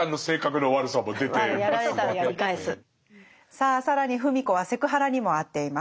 さあ更に芙美子はセクハラにも遭っています。